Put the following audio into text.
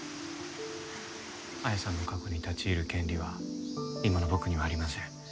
彩さんの過去に立ち入る権利は今の僕にはありません。